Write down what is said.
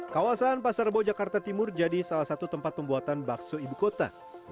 kawasan pasar bojakarta timur jadi salah satu tempat pembuatan bakso ibu kota